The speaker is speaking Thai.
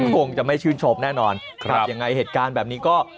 คงจะไม่ชื่นชมแน่นอนครับยังไงเหตุการณ์แบบนี้ก็